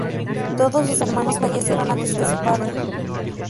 Todos sus hermanos fallecieron antes que su padre.